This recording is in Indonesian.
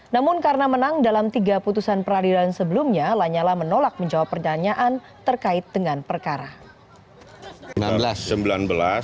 namun karena menang dalam tiga putusan peradilan sebelumnya lanyala menolak menjawab pertanyaan terkait dengan perkara